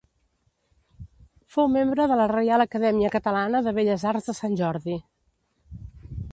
Fou membre de la Reial Acadèmia Catalana de Belles Arts de Sant Jordi.